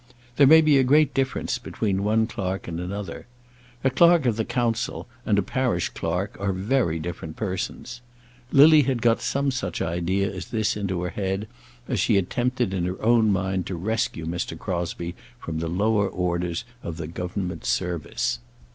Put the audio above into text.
There may be a great difference between one clerk and another! A Clerk of the Council and a parish clerk are very different persons. Lily had got some such idea as this into her head as she attempted in her own mind to rescue Mr. Crosbie from the lower orders of the Government service.